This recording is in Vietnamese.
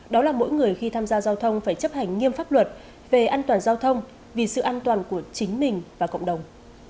đó là mỗi người khi tham gia giao thông phải chấp hành nghiêm pháp luật về an toàn giao thông vì sự an toàn của chính mình và cộng đồng